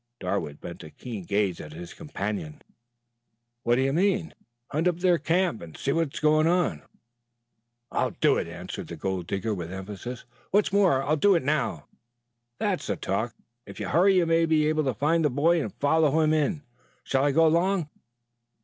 Darwood bent a keen gaze on his companion. "What do you mean?" "Hunt up their camp and see what is going on?" "I'll do it," answered the gold digger with emphasis. "What's more, I'll do it now." "That's the talk! If you hurry, you may be able to find the boy and follow him in. Shall I go along?"